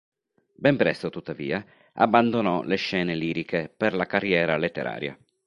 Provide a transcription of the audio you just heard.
Ben presto tuttavia abbandonò le scene liriche per la carriera letteraria.